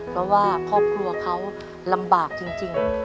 เพราะว่าครอบครัวเขาลำบากจริง